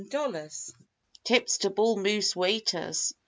14 00 Tips to Bull Moose waiters.